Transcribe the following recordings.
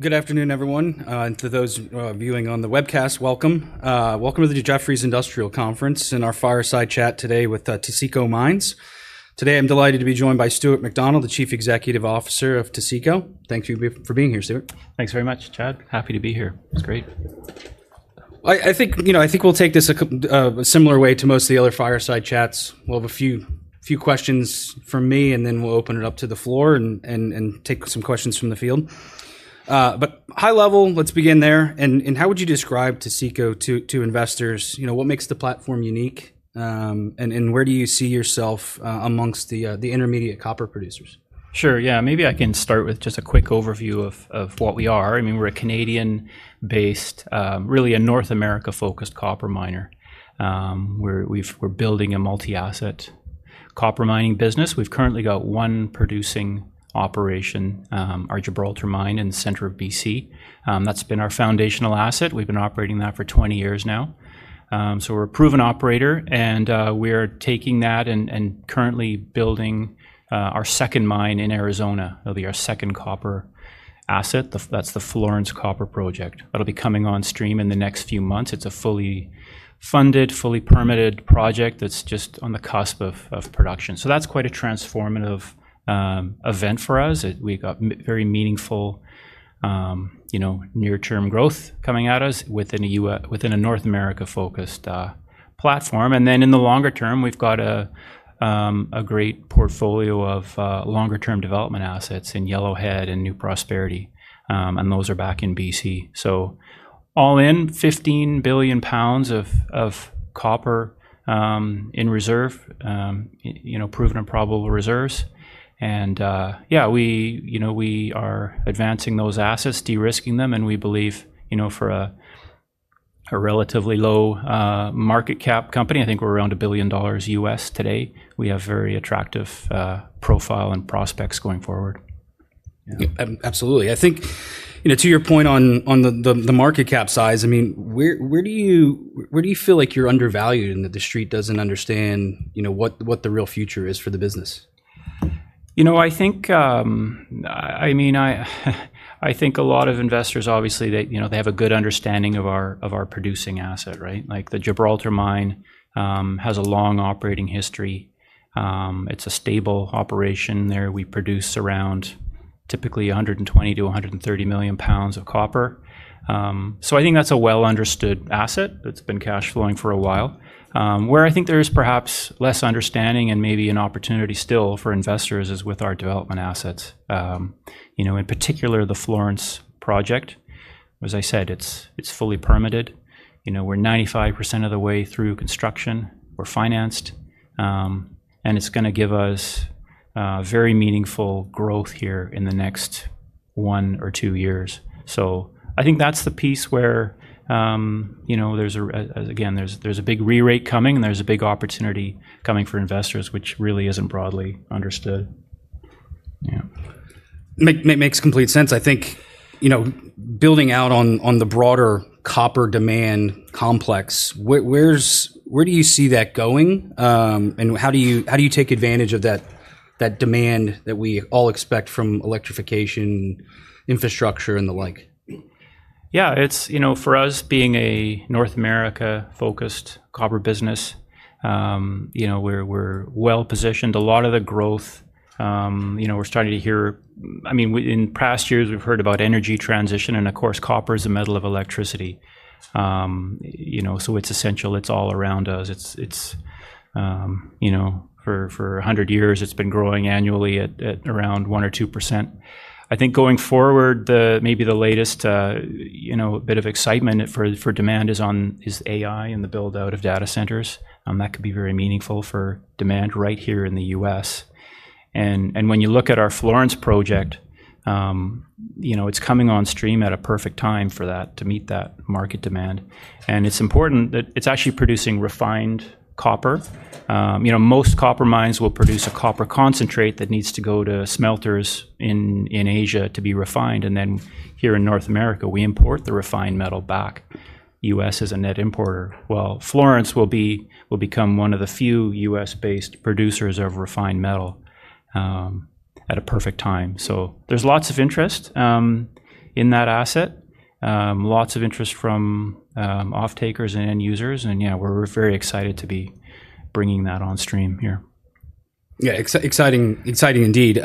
Good afternoon, everyone. To those viewing on the webcast, welcome. Welcome to the Jefferies Industrial Conference and our fireside chat today with Taseko Mines. Today, I'm delighted to be joined by Stuart McDonald, the Chief Executive Officer of Taseko. Thank you for being here, Stuart. Thanks very much, Chad. Happy to be here. Great. I think we'll take this a similar way to most of the other fireside chats. We'll have a few questions from me, and then we'll open it up to the floor and take some questions from the field. High level, let's begin there. How would you describe Taseko to investors? What makes the platform unique, and where do you see yourself amongst the intermediate copper producers? Sure. Maybe I can start with just a quick overview of what we are. I mean, we're a Canadian-based, really a North America-focused copper miner. We're building a multi-asset copper mining business. We've currently got one producing operation, our Gibraltar Mine in the center of BC. That's been our foundational asset. We've been operating that for 20 years now. We're a proven operator, and we're taking that and currently building our second mine in Arizona. It'll be our second copper asset. That's the Florence Copper Project. That'll be coming on stream in the next few months. It's a fully funded, fully permitted project that's just on the cusp of production. That is quite a transformative event for us. We've got very meaningful near-term growth coming at us within a North America-focused platform. In the longer-term, we've got a great portfolio of longer-term development assets in Yellowhead and New Prosperity, and those are back in BrC. All in, 15 billion lbs of copper in reserve, proven and probable reserves. We are advancing those assets, de-risking them, and we believe for a relatively low market cap company, I think we're around $1 billion U.S. today, we have a very attractive profile and prospects going forward. Absolutely. I think, to your point on the market cap size, where do you feel like you're undervalued and that the street doesn't understand what the real future is for the business? I think a lot of investors obviously have a good understanding of our producing asset, right? Like the Gibraltar Mine has a long operating history. It's a stable operation there. We produce around typically 120-130 million lbs of copper. I think that's a well-understood asset. It's been cash flowing for a while. Where I think there is perhaps less understanding and maybe an opportunity still for investors is with our development assets, in particular, the Florence Copper Project. As I said, it's fully permitted. We're 95% of the way through construction. We're financed, and it's going to give us very meaningful growth here in the next one or two years. I think that's the piece where there's a big re-rate coming and there's a big opportunity coming for investors, which really isn't broadly understood. Makes complete sense. Building out on the broader copper demand complex, where do you see that going, and how do you take advantage of that demand that we all expect from electrification, infrastructure, and the like? Yeah, it's, you know, for us being a North America-focused copper business, we're well positioned. A lot of the growth, you know, we're starting to hear, I mean, in past years, we've heard about energy transition, and of course, copper is the middle of electricity. It's essential. It's all around us. For a 100 years, it's been growing annually at around 1% or 2%. I think going forward, maybe the latest, you know, a bit of excitement for demand is on AI and the build-out of data centers. That could be very meaningful for demand right here in the U.S. When you look at our Florence Project, it's coming on stream at a perfect time for that to meet that market demand. It's important that it's actually producing refined copper. Most copper mines will produce a copper concentrate that needs to go to smelters in Asia to be refined, and then here in North America, we import the refined metal back. The U.S. is a net importer. Florence will become one of the few U.S.-based producers of refined metal, at a perfect time. There's lots of interest in that asset, lots of interest from off-takers and end users, and yeah, we're very excited to be bringing that on stream here. Yeah, exciting indeed.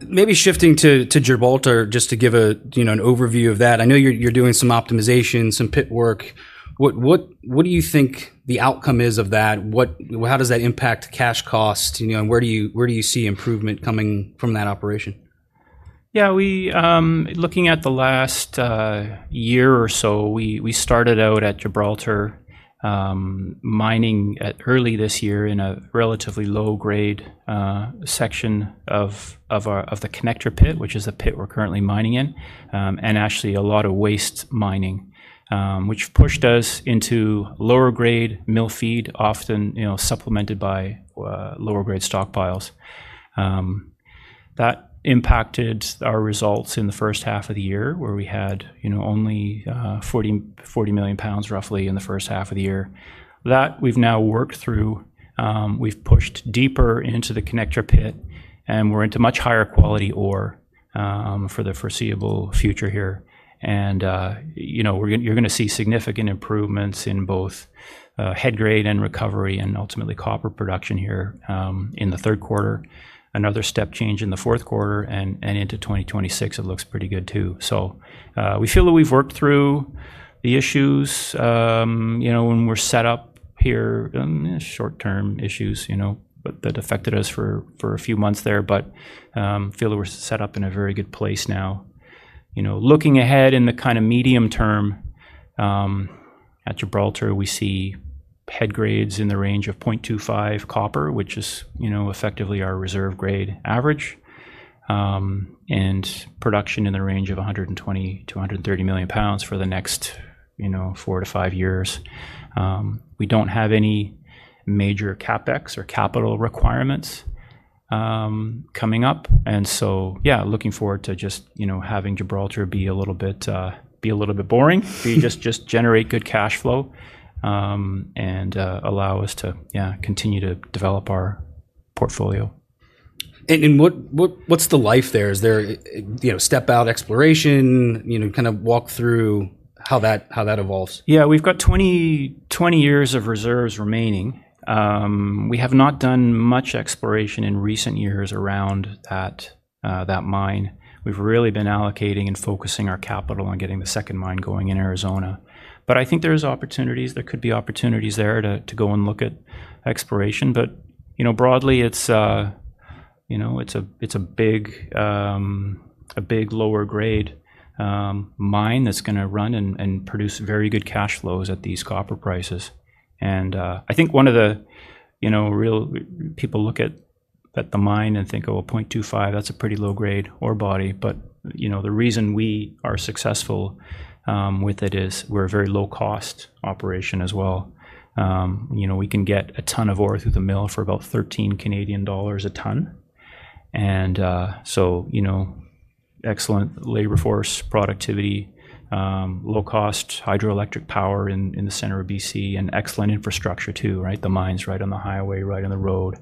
Maybe shifting to Gibraltar just to give an overview of that. I know you're doing some optimization, some pit work. What do you think the outcome is of that? How does that impact cash costs? Where do you see improvement coming from that operation? Yeah, looking at the last year or so, we started out at Gibraltar mining early this year in a relatively low-grade section of the Connector Pit, which is the pit we're currently mining in, and actually a lot of waste mining, which pushed us into lower-grade mill feed, often supplemented by lower-grade stockpiles. That impacted our results in the first half of the year where we had only 40 million lbs roughly in the first half of the year. That we've now worked through. We've pushed deeper into the Connector Pit, and we're into much higher quality ore for the foreseeable future here. You're going to see significant improvements in both head grade and recovery and ultimately copper production here in the third quarter. Another step change in the fourth quarter and into 2026, it looks pretty good too. We feel that we've worked through the issues, we're set up here, short-term issues that affected us for a few months there, but feel that we're set up in a very good place now. Looking ahead in the kind of medium term at Gibraltar, we see head grades in the range of 0.25% copper, which is effectively our reserve grade average, and production in the range of 120-130 million lbs for the next four to five years. We don't have any major CapEx or capital requirements coming up. Looking forward to just having Gibraltar be a little bit boring, just generate good cash flow, and allow us to continue to develop our portfolio. What’s the life there? Is there step-out exploration? Walk through how that evolves. Yeah, we've got 20, 20 years of reserves remaining. We have not done much exploration in recent years around that mine. We've really been allocating and focusing our capital on getting the second mine going in Arizona. I think there are opportunities. There could be opportunities there to go and look at exploration. You know, broadly, it's a big, a big lower grade mine that's going to run and produce very good cash flows at these copper prices. I think one of the real, people look at the mine and think, oh, 0.25%, that's a pretty low grade ore body. The reason we are successful with it is we're a very low-cost operation as well. You know, we can get a ton of ore through the mill for about 13 Canadian dollars a ton. Excellent labor force productivity, low-cost hydroelectric power in the center of BC, and excellent infrastructure too, right? The mine's right on the highway, right on the road.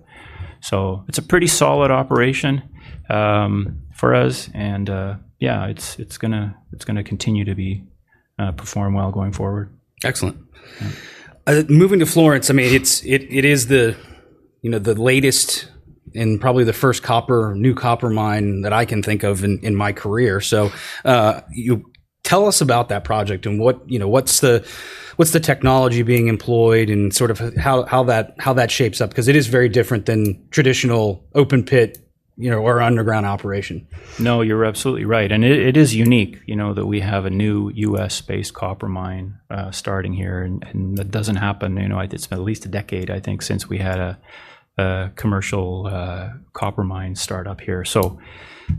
It's a pretty solid operation for us. Yeah, it's going to continue to perform well going forward. Excellent. Yeah, moving to Florence, I mean, it is the, you know, the latest and probably the first new copper mine that I can think of in my career. You tell us about that project and what, you know, what's the technology being employed and sort of how that shapes up because it is very different than traditional open pit or underground operation. No, you're absolutely right. It is unique, you know, that we have a new U.S.-based copper mine starting here. That doesn't happen. It's been at least a decade, I think, since we had a commercial copper mine startup here. As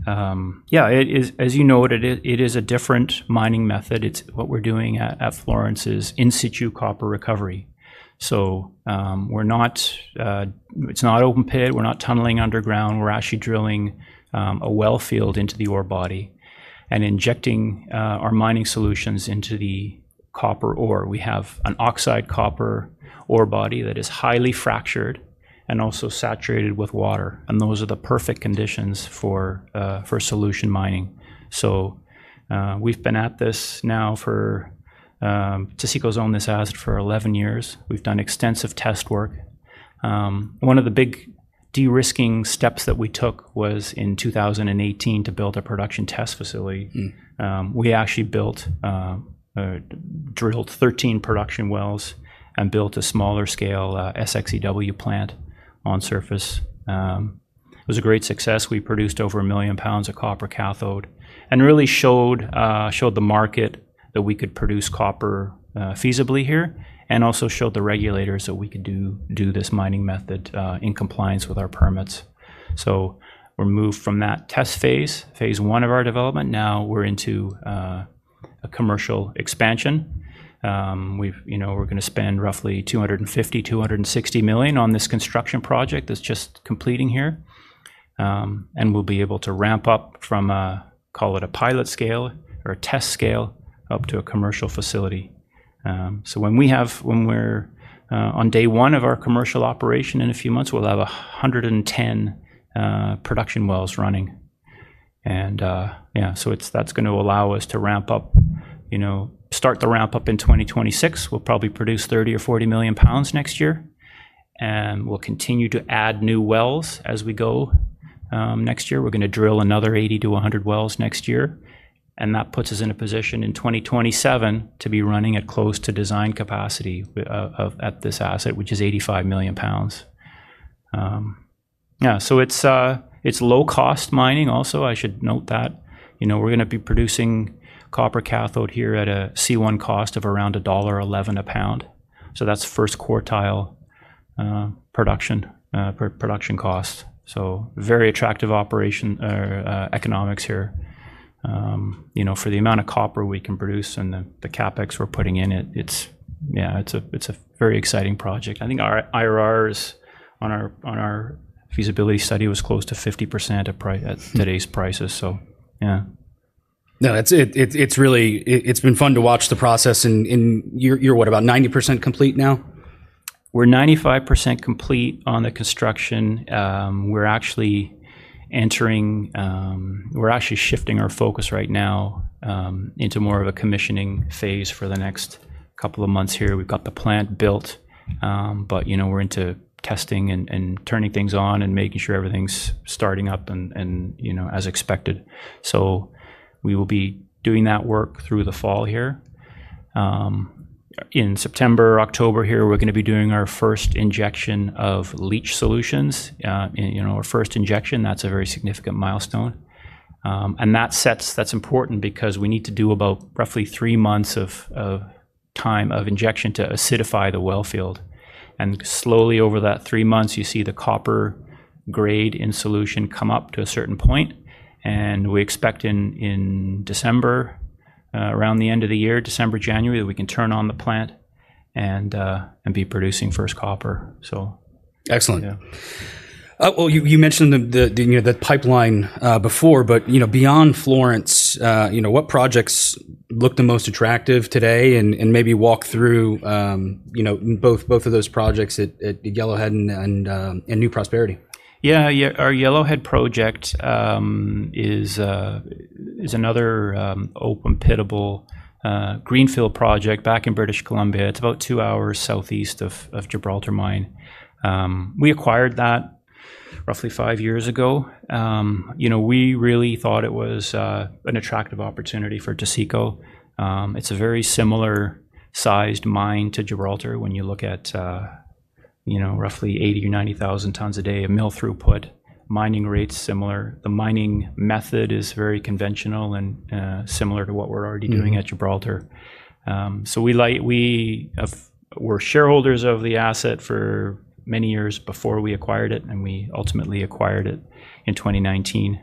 you know, it is a different mining method. What we're doing at Florence is in-situ copper recovery. We're not, it's not open pit. We're not tunneling underground. We're actually drilling a well field into the ore body and injecting our mining solutions into the copper ore. We have an oxide copper ore body that is highly fractured and also saturated with water. Those are the perfect conditions for solution mining. We've been at this now for, Taseko's owned this asset for 11 years. We've done extensive test work. One of the big de-risking steps that we took was in 2018 to build a production test facility. We actually drilled 13 production wells and built a smaller scale SXEW plant on surface. It was a great success. We produced over a 1 million lbs of copper cathode and really showed the market that we could produce copper feasibly here and also showed the regulators that we could do this mining method in compliance with our permits. We're moved from that test phase, Phase 1 of our development. Now we're into a commercial expansion. We're going to spend roughly $250 million, $260 million on this construction project that's just completing here. We'll be able to ramp up from a, call it a pilot scale or a test scale up to a commercial facility. When we're on day one of our commercial operation in a few months, we'll have 110 production wells running. That's going to allow us to ramp up, start the ramp up in 2026. We'll probably produce 30 or 40 million lbs next year. We'll continue to add new wells as we go. Next year, we're going to drill another 80-100 wells. That puts us in a position in 2027 to be running at close to design capacity of this asset, which is 85 million lbs. It's low-cost mining also. I should note that we're going to be producing copper cathode here at a C1 cost of around $1.11 a pound. That's first quartile production cost. Very attractive operation economics here. For the amount of copper we can produce and the CapEx we're putting in it, it's a very exciting project. I think our IRRs on our feasibility study was close to 50% at today's prices. No, it's really, it's been fun to watch the process and you're what, about 90% complete now? We're 95% complete on the construction. We're actually entering, we're actually shifting our focus right now into more of a commissioning phase for the next couple of months here. We've got the plant built, but, you know, we're into testing and turning things on and making sure everything's starting up as expected. We will be doing that work through the fall here. In September, October, we're going to be doing our first injection of leach solutions, you know, our first injection. That's a very significant milestone. That sets, that's important because we need to do about roughly three months of time of injection to acidify the well field. Slowly over that three months, you see the copper grade in solution come up to a certain point. We expect in December, around the end of the year, December, January, that we can turn on the plant and be producing first copper. Excellent. You mentioned the, you know, that pipeline before, but, you know, beyond Florence, what projects look the most attractive today and maybe walk through, you know, both of those projects at Yellowhead and New Prosperity. Yeah, our Yellowhead Project is another open pittable greenfield project back in British Columbia. It's about two hours southeast of Gibraltar Mine. We acquired that roughly five years ago. You know, we really thought it was an attractive opportunity for Taseko. It's a very similar sized mine to Gibraltar when you look at, you know, roughly 80,000 or 90,000 tons a day of mill throughput. Mining rate is similar. The mining method is very conventional and similar to what we're already doing at Gibraltar. We were shareholders of the asset for many years before we acquired it, and we ultimately acquired it in 2019.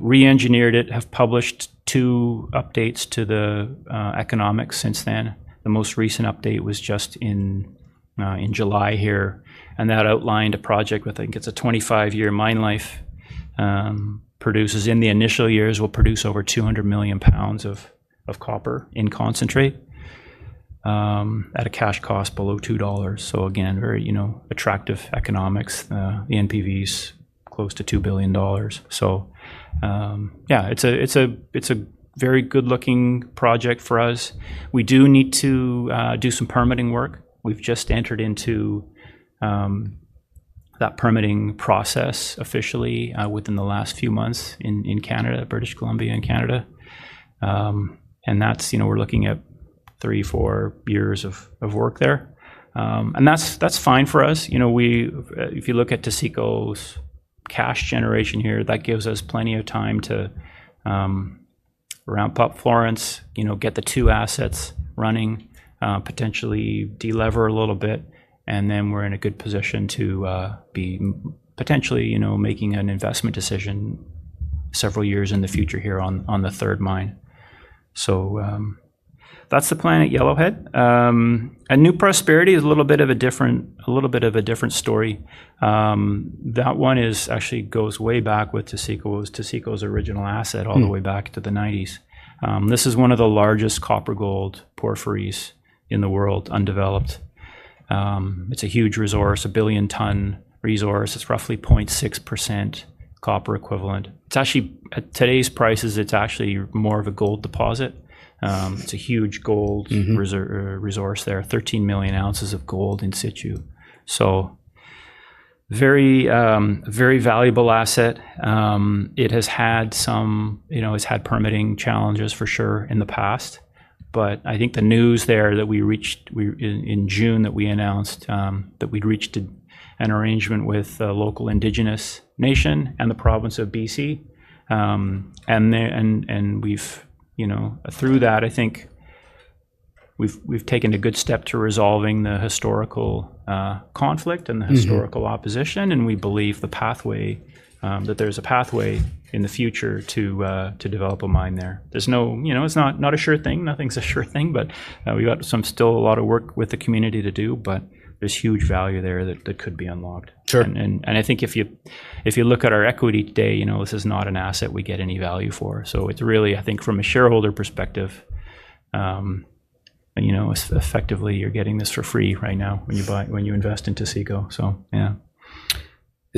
Re-engineered it, have published two updates to the economics since then. The most recent update was just in July here, and that outlined a project with, I think it's a 25-year mine life. Produces in the initial years, we'll produce over 200 million lbs of copper in concentrate at a cash cost below $2. So again, very attractive economics. The NPV is close to $2 billion. It's a very good looking project for us. We do need to do some permitting work. We've just entered into that permitting process officially within the last few months in Canada, British Columbia and Canada. That's, you know, we're looking at three, four years of work there. That's fine for us. You know, if you look at Taseko's cash generation here, that gives us plenty of time to ramp up Florence, you know, get the two assets running, potentially delever a little bit, and then we're in a good position to be potentially, you know, making an investment decision several years in the future here on the third mine. That's the plan at Yellowhead. New Prosperity is a little bit of a different story. That one actually goes way back with Taseko. It was Taseko's original asset all the way back to the '90s. This is one of the largest copper gold porphyries in the world, undeveloped. It's a huge resource, a 1 billion ton resource. It's roughly 0.6% copper equivalent. It's actually, at today's prices, it's actually more of a gold deposit. It's a huge gold resource there, 13 million ounces of gold in-situ. Very, very valuable asset. It has had some, you know, it's had permitting challenges for sure in the past. I think the news there that we reached in June, that we announced, that we'd reached an arrangement with a local Indigenous nation and the province of BC, and we've, through that, I think we've taken a good step to resolving the historical conflict and the historical opposition. We believe there's a pathway in the future to develop a mine there. It's not a sure thing. Nothing's a sure thing, but we've got still a lot of work with the community to do, but there's huge value there that could be unlocked. Sure. If you look at our equity today, you know, this is not an asset we get any value for. It's really, I think from a shareholder perspective, you know, effectively you're getting this for free right now when you buy, when you invest in Taseko. Yeah.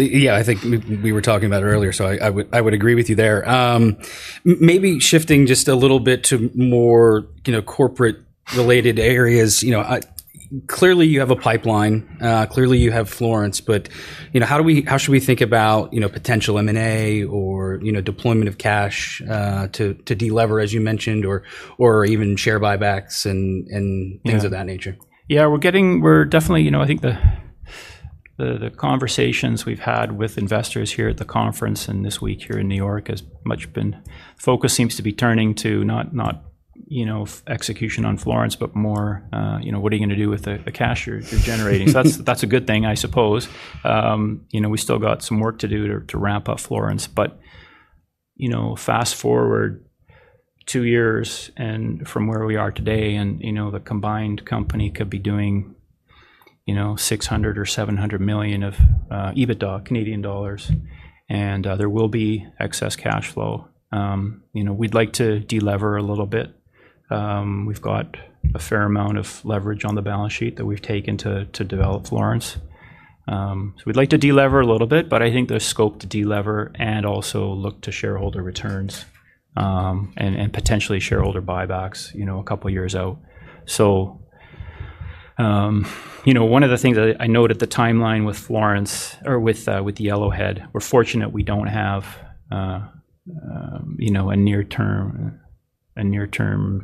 Yeah, I think we were talking about it earlier. I would agree with you there. Maybe shifting just a little bit to more, you know, corporate related areas, you know, clearly you have a pipeline, clearly you have Florence, but you know, how do we, how should we think about, you know, potential M&A or, you know, deployment of cash to delever, as you mentioned, or even share buybacks and things of that nature. Yeah, we're definitely, you know, I think the conversations we've had with investors here at the conference and this week here in New York have much been focused, seems to be turning to not, you know, execution on Florence, but more, you know, what are you going to do with the cash you're generating? That's a good thing, I suppose. You know, we still got some work to do to ramp up Florence, but fast forward two years from where we are today, and the combined company could be doing $600 or $700 million of EBITDA, Canadian dollars, and there will be excess cash flow. You know, we'd like to delever a little bit. We've got a fair amount of leverage on the balance sheet that we've taken to develop Florence. We'd like to delever a little bit, but I think there's scope to delever and also look to shareholder returns, and potentially shareholder buybacks a couple of years out. One of the things I noted, the timeline with Florence or with Yellowhead, we're fortunate we don't have a near-term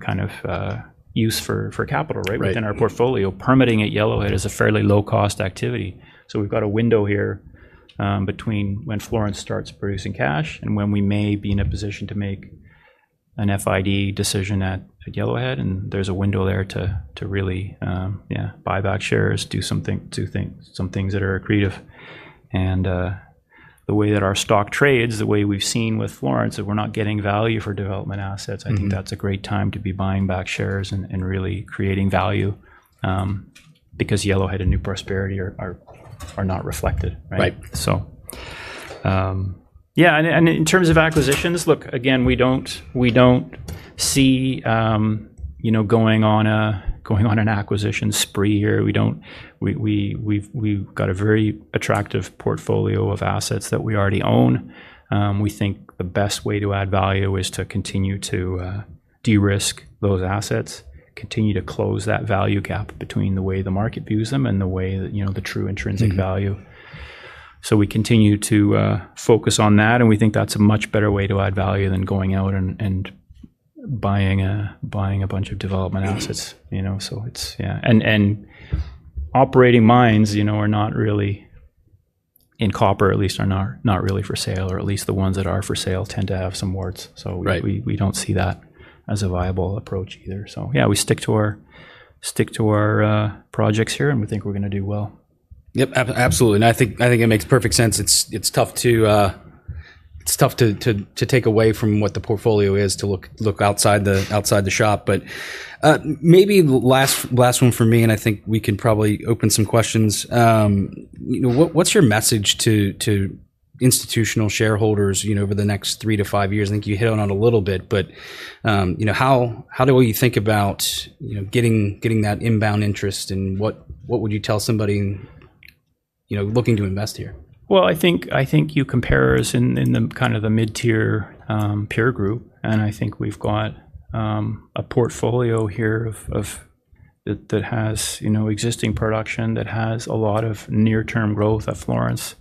kind of use for capital, right? Within our portfolio, permitting at Yellowhead is a fairly low-cost activity. We've got a window here between when Florence starts producing cash and when we may be in a position to make an FID decision at Yellowhead. There's a window there to really, yeah, buy back shares, do things, some things that are creative. The way that our stock trades, the way we've seen with Florence, if we're not getting value for development assets, I think that's a great time to be buying back shares and really creating value, because Yellowhead and New Prosperity are not reflected, right? In terms of acquisitions, look, again, we don't see going on an acquisition spree here. We've got a very attractive portfolio of assets that we already own. We think the best way to add value is to continue to de-risk those assets, continue to close that value gap between the way the market views them and the true intrinsic value. We continue to focus on that, and we think that's a much better way to add value than going out and buying a bunch of development assets. Operating mines, you know, are not really in copper, at least are not really for sale, or at least the ones that are for sale tend to have some warts. We don't see that as a viable approach either. We stick to our projects here and we think we're going to do well. Absolutely. I think it makes perfect sense. It's tough to take away from what the portfolio is to look outside the shop. Maybe the last one for me, and I think we can probably open some questions. You know, what's your message to institutional shareholders over the next three to five years? I think you hit on it a little bit, but, you know, how do you think about getting that inbound interest and what would you tell somebody looking to invest here? I think you compare us in the kind of the mid-tier peer group. I think we've got a portfolio here that has existing production, that has a lot of near-term growth at Florence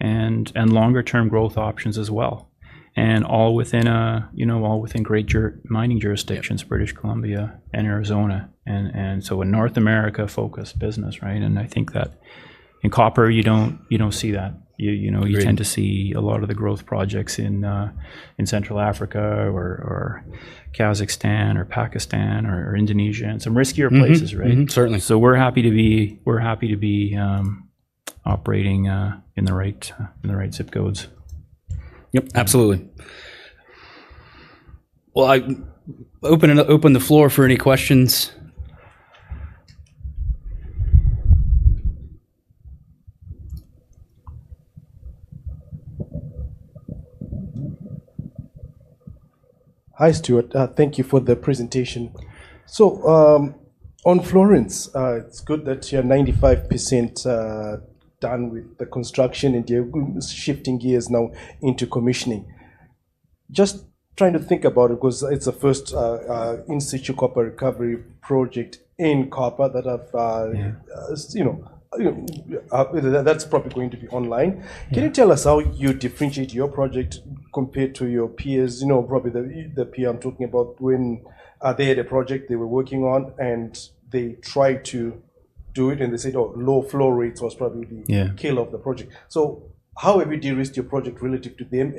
and longer-term growth options as well, all within great mining jurisdictions, British Columbia and Arizona. In North America focused business, right? I think that in copper, you don't see that. You tend to see a lot of the growth projects in Central Africa or Kazakhstan or Pakistan or Indonesia and some riskier places, right? Certainly, we're happy to be operating in the right zip codes. Yep, absolutely. I open the floor for any questions. Hi, Stuart. Thank you for the presentation. On Florence, it's good that you have 95% done with the construction and you're shifting gears now into commissioning. I'm just trying to think about it because it's the first in-situ copper recovery project in copper that I've, you know, that's probably going to be online. Can you tell us how you differentiate your project compared to your peers? You know, probably the peer I'm talking about when they had a project they were working on and they tried to do it and they said, oh, low flow rates was probably the kill of the project. How have you de-risked your project relative to them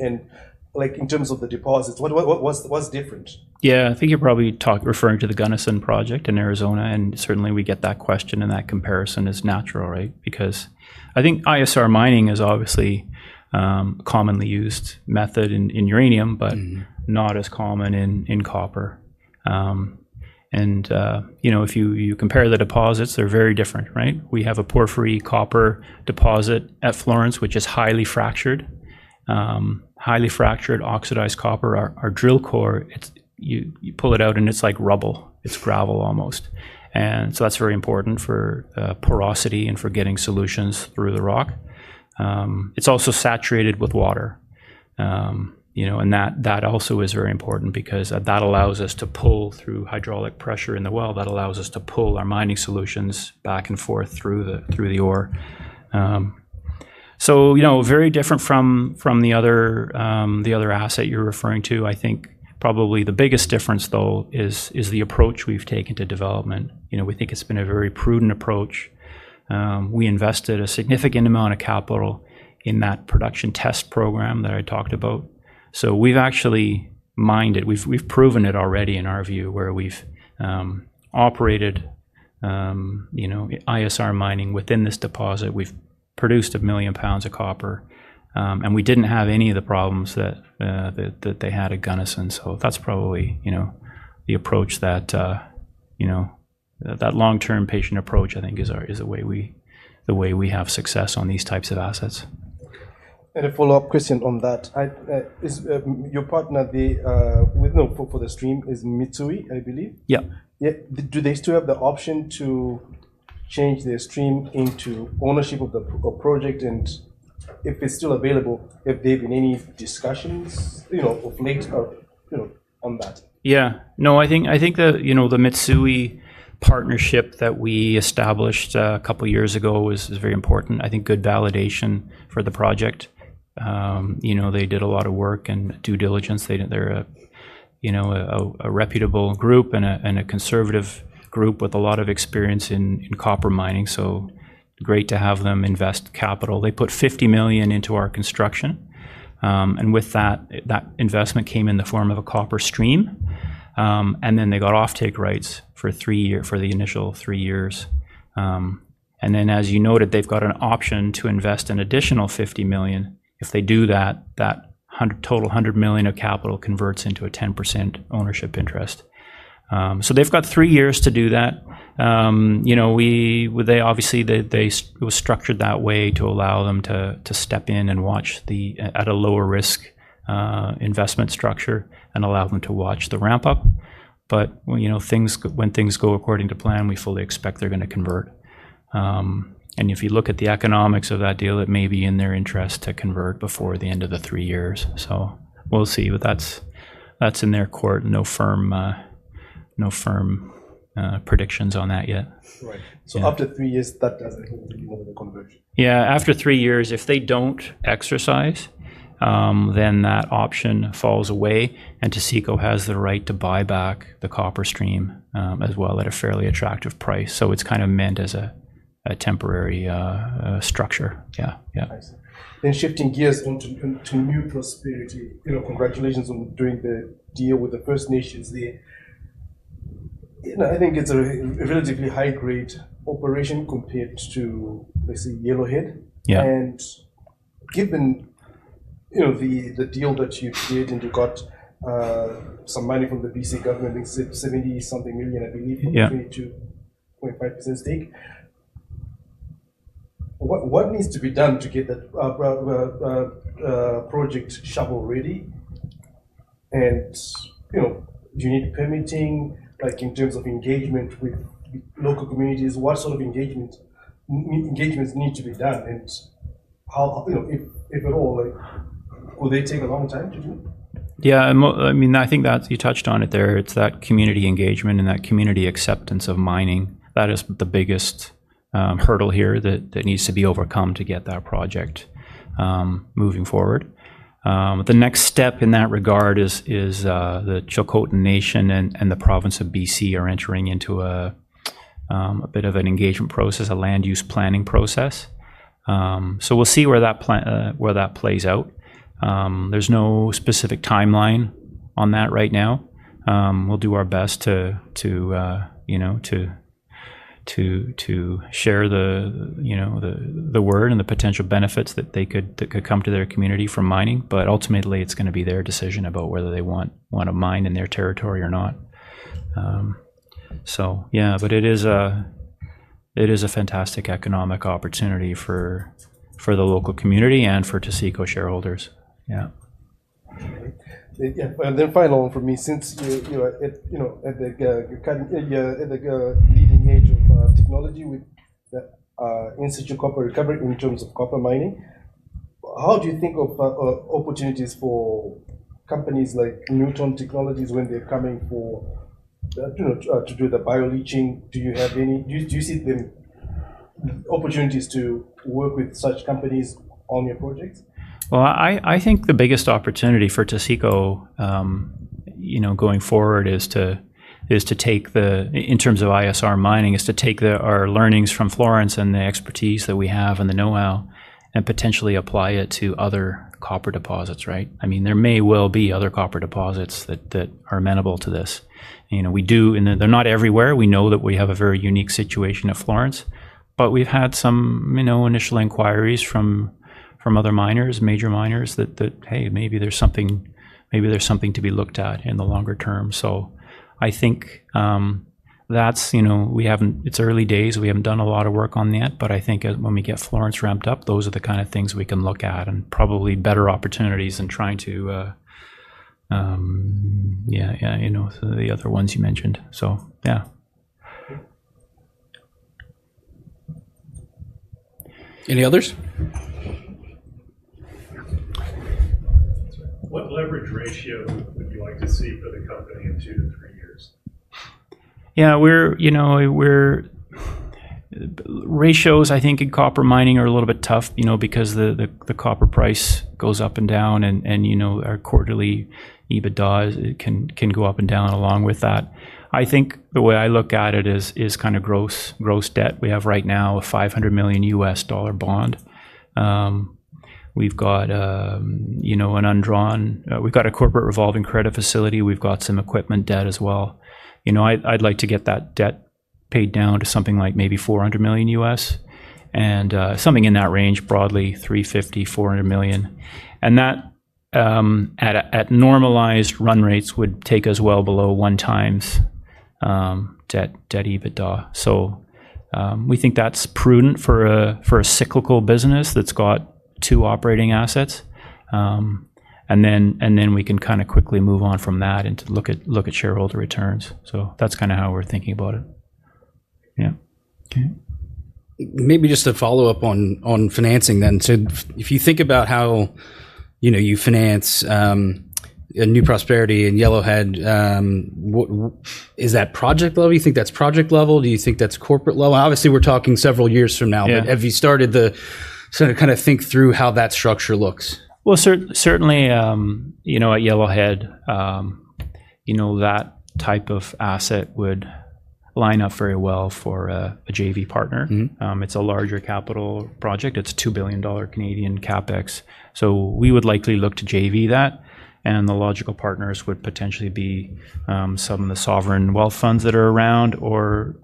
and in terms of the deposits, what was different? Yeah, I think you're probably referring to the Gunnison Project in Arizona and certainly we get that question and that comparison is natural, right? I think ISR mining is obviously a commonly used method in uranium, but not as common in copper. If you compare the deposits, they're very different, right? We have a porphyry copper deposit at Florence, which is highly fractured. Highly fractured oxidized copper, our drill core, you pull it out and it's like rubble. It's gravel almost. That's very important for porosity and for getting solutions through the rock. It's also saturated with water, and that also is very important because that allows us to pull through hydraulic pressure in the well. That allows us to pull our mining solutions back and forth through the ore. Very different from the other asset you're referring to. I think probably the biggest difference though is the approach we've taken to development. We think it's been a very prudent approach. We invested a significant amount of capital in that production test program that I talked about. We've actually mined it. We've proven it already in our view where we've operated ISR mining within this deposit. We've produced a 1 million lbs of copper, and we didn't have any of the problems that they had at Gunnison. That's probably the approach, that long-term patient approach, I think is the way we have success on these types of assets. Is your partner for the stream Mitsui, I believe. Yeah. Do they still have the option to change their stream into ownership of the project? If it's still available, have there been any discussions of length or on that? Yeah, no, I think the Mitsui partnership that we established a couple of years ago is very important. I think good validation for the project. You know, they did a lot of work and due diligence. They're a reputable group and a conservative group with a lot of experience in copper mining. Great to have them invest capital. They put $50 million into our construction, and with that, that investment came in the form of a copper stream. They got off-take rights for three years, for the initial three years. As you noted, they've got an option to invest an additional $50 million. If they do that, that total $100 million of capital converts into a 10% ownership interest. They've got three years to do that. They obviously were structured that way to allow them to step in and watch, at a lower risk, investment structure and allow them to watch the ramp up. When things go according to plan, we fully expect they're going to convert. If you look at the economics of that deal, it may be in their interest to convert before the end of the three years. We'll see, but that's in their court. No firm predictions on that yet. After three years, that doesn't convert? Yeah, after three years, if they don't exercise, then that option falls away and Taseko has the right to buyback the copper stream as well at a fairly attractive price. It's kind of meant as a temporary structure. Yeah. Yeah. Shifting gears into New Prosperity, congratulations on doing the deal with the First Nations. I think it's a relatively high-grade operation compared to, let's say, Yellowhead. Yeah. Given the deal that you've created and you've got some money from the BC government, like $70 million, I believe, if you need to, 0.5% stake. What needs to be done to get the project shovel ready? Do you need permitting, like in terms of engagement with local communities? What sort of engagement needs to be done, and how, if at all, would they take a long time to do? Yeah, I mean, I think that you touched on it there. It's that community engagement and that community acceptance of mining that is the biggest hurdle here that needs to be overcome to get that project moving forward. The next step in that regard is the Tsilhqot'in Nation and the province of BC are entering into a bit of an engagement process, a land use planning process. We'll see where that plays out. There's no specific timeline on that right now. We'll do our best to share the word and the potential benefits that could come to their community from mining. Ultimately, it's going to be their decision about whether they want to mine in their territory or not. It is a fantastic economic opportunity for the local community and for Taseko shareholders. Yeah. The final one for me, since you're at the leading edge of technology with the in-situ copper recovery in terms of copper mining, how do you think of opportunities for companies like Newton Technologies when they're coming to do the bioleaching? Do you see opportunities to work with such companies on your projects? I think the biggest opportunity for Taseko, going forward, is to take the, in terms of ISR mining, to take our learnings from Florence and the expertise that we have and the know-how and potentially apply it to other copper deposits, right? I mean, there may well be other copper deposits that are amenable to this. They're not everywhere. We know that we have a very unique situation at Florence, but we've had some initial inquiries from other miners, major miners that, hey, maybe there's something, maybe there's something to be looked at in the longer term. I think it's early days. We haven't done a lot of work on that, but I think when we get Florence ramped up, those are the kind of things we can look at and probably better opportunities in trying to, yeah, you know, the other ones you mentioned. Yeah. Any others? Yeah, ratios, I think in copper mining are a little bit tough because the copper price goes up and down and our quarterly EBITDA can go up and down along with that. I think the way I look at it is kind of gross debt. We have right now a $500 million bond. We've got an undrawn corporate revolving credit facility. We've got some equipment debt as well. I'd like to get that debt paid down to something like maybe $400 million, something in that range, broadly $350 million, $400 million. At normalized run rates, that would take us well below one times debt to EBITDA. We think that's prudent for a cyclical business that's got two operating assets. Then we can kind of quickly move on from that to look at shareholder returns. That's kind of how we're thinking about it. Yeah. Maybe just to follow up on financing then. If you think about how you finance a New Prosperity and Yellowhead, is that project level? Do you think that's project level? Do you think that's corporate level? Obviously, we're talking several years from now, but have you started to kind of think through how that structure looks? At Yellowhead, that type of asset would line up very well for a JV Partner. It's a larger capital project. It's a $2 billion Canadian CapEx. We would likely look to JV that. The logical partners would potentially be some of the sovereign wealth funds that are around or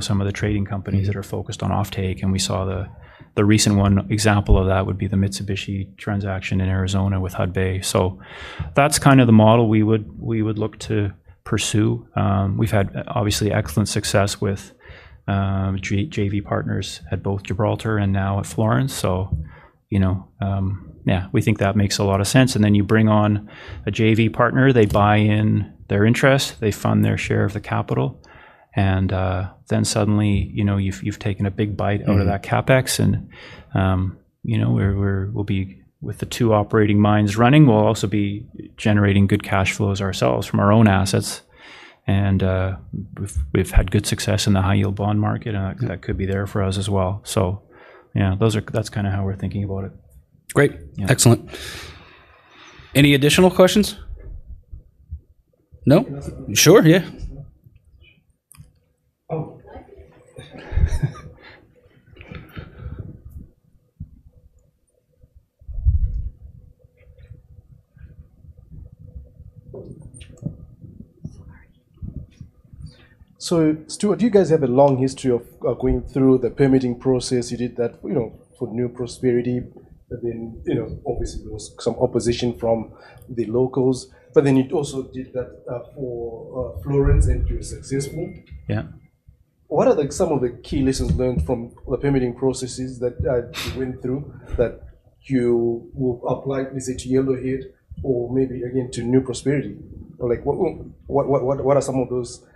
some of the trading companies that are focused on off-take. We saw the recent one example of that would be the Mitsubishi transaction in Arizona with HUDB. That's kind of the model we would look to pursue. We've had obviously excellent success with JV Partners at both Gibraltar and now at Florence. We think that makes a lot of sense. You bring on a JV Partner, they buy in their interest, they fund their share of the capital, and then suddenly you've taken a big bite out of that CapEx. With the two operating mines running, we'll also be generating good cash flows ourselves from our own assets. We've had good success in the high yield bond market and that could be there for us as well. That's kind of how we're thinking about it. Great. Excellent. Any additional questions? No. Sure. Yeah. Stuart, do you guys have a long history of going through the permitting process? You did that, you know, for New Prosperity. Obviously, there was some opposition from the locals. You also did that for Florence and you were successful. Yeah. What are some of the key lessons learned from the permitting processes that you went through that you will apply, is it to Yellowhead or maybe again to New Prosperity? What are some of those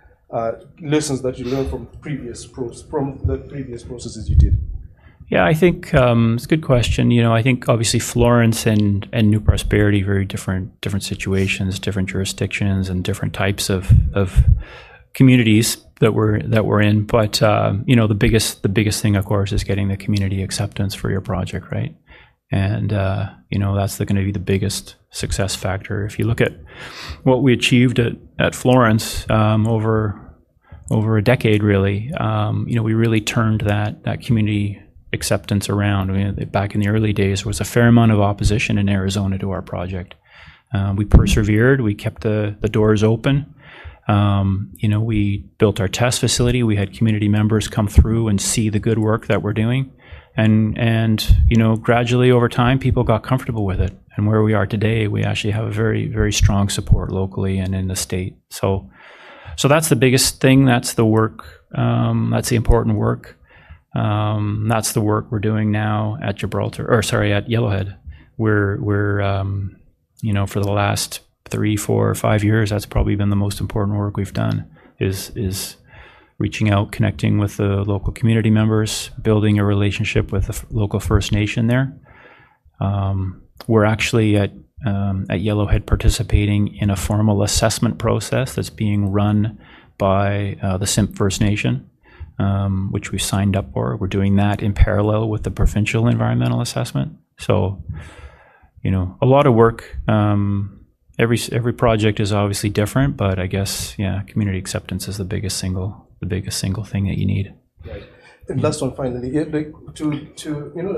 lessons that you learned from previous processes you did? Yeah, I think it's a good question. I think obviously Florence and New Prosperity are very different, different situations, different jurisdictions, and different types of communities that we're in. The biggest thing, of course, is getting the community acceptance for your project, right? That's going to be the biggest success factor. If you look at what we achieved at Florence, over a decade, really, we really turned that community acceptance around. I mean, back in the early days, there was a fair amount of opposition in Arizona to our project. We persevered. We kept the doors open. We built our test facility. We had community members come through and see the good work that we're doing, and gradually over time, people got comfortable with it. Where we are today, we actually have very, very strong support locally and in the state. That's the biggest thing. That's the work. That's the important work. That's the work we're doing now at Yellowhead. For the last three, four, or five years, that's probably been the most important work we've done, reaching out, connecting with the local community members, building a relationship with the local First Nation there. We're actually at Yellowhead participating in a formal assessment process that's being run by the Simpcw First Nation, which we've signed up for. We're doing that in parallel with the provincial environmental assessment. A lot of work. Every project is obviously different, but I guess, yeah, community acceptance is the biggest single, the biggest single thing that you need. Finally,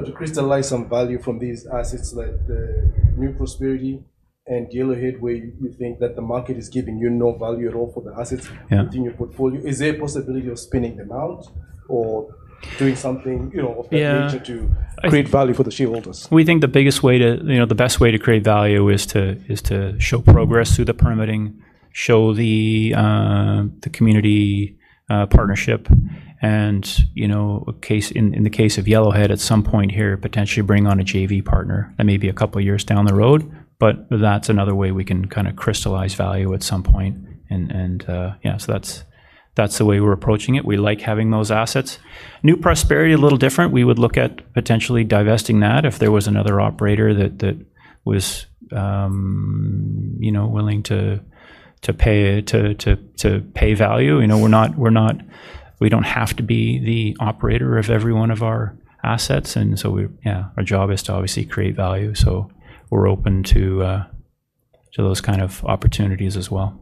to crystallize some value from these assets like the New Prosperity and Yellowhead, where you think that the market is giving you no value at all for the assets in your portfolio, is there a possibility of spinning them out or doing something to create value for the shareholders? We think the biggest way to, you know, the best way to create value is to show progress through the permitting, show the community partnership. In the case of Yellowhead at some point here, potentially bring on a JV Partner that may be a couple of years down the road. That's another way we can kind of crystallize value at some point. Yeah, that's the way we're approaching it. We like having those assets. New Prosperity, a little different. We would look at potentially divesting that if there was another operator that was, you know, willing to pay, to pay value. We're not, we don't have to be the operator of every one of our assets. Our job is to obviously create value. We're open to those kinds of opportunities as well.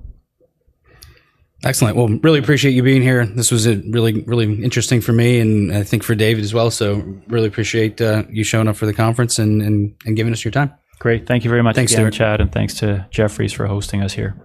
Excellent. I really appreciate you being here. This was really, really interesting for me and I think for David as well. I really appreciate you showing up for the conference and giving us your time. Great. Thank you very much Chad. Thanks, Stuart. Thanks to Jefferies for hosting us here.